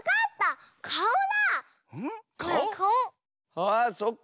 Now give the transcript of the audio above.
あそっか！